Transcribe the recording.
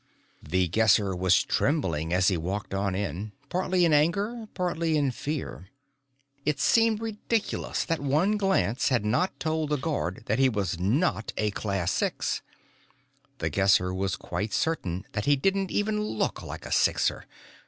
The Guesser was trembling as he walked on in partly in anger, partly in fear. It seemed ridiculous that one glance had not told the guard that he was not a Class Six. The Guesser was quite certain that he didn't look like a Sixer.